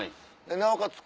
なおかつ